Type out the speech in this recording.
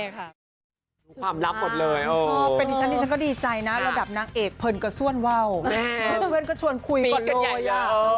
ความลับหมดเลยเป็นตัวนี้ฉันก็ดีใจนะระดับนักเอกเผินกระชวนเว้ามีกันใหญ่เยอะ